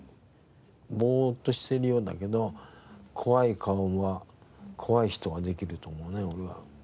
ぼっとしてるようだけど怖い顔は怖い人はできると思うね俺は。